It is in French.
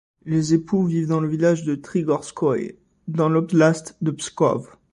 Les époux vivent dans le village de Trigorskoïe dans l'oblast de Pskov.